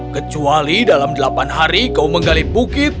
kecuali dalam delapan hari kau menggali bukit